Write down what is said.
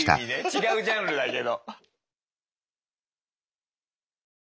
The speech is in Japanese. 違うジャンルだけど。